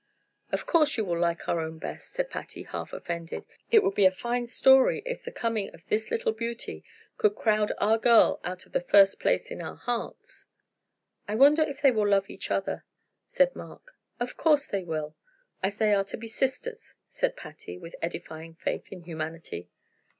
"Of course you will like our own best," said Patty half offended. "It would be a fine story if the coming of this little beauty could crowd our girl out of the first place in our hearts." "I wonder if they will love each other," said Mark. "Of course they will, as they are to be sisters," said Patty, with edifying faith in humanity.